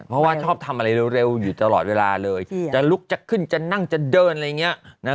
เพราะว่าชอบทำอะไรเร็วอยู่ตลอดเวลาเลยจะลุกจะขึ้นจะนั่งจะเดินอะไรอย่างนี้นะ